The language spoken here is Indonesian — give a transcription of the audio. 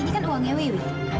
ini kan uangnya wiwi